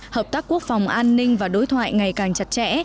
hợp tác quốc phòng an ninh và đối thoại ngày càng chặt chẽ